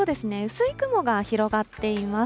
薄い雲が広がっています。